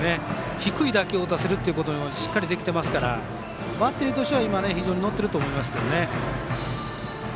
低い打球を打たせることができていますからバッテリーとしては非常に乗っていると思います。